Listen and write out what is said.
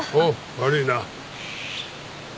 悪いな。